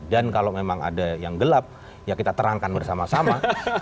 dan kalau memang ada yang gelap ya kita terangkan bersama sama